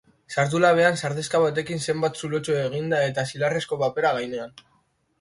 Sartu labean sardexka batekin zenbat zulotxo eginda eta zilarrezko papera gainean.